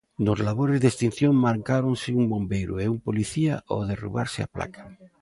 Nos labores de extinción mancáronse un bombeiro e un policía ao derrubarse a placa.